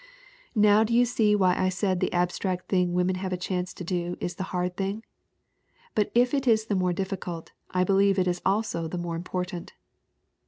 "Now do you see why I said the abstract thing women have a chance to do is the hard thing? But if it is the more difficult, I believe it is also the more important.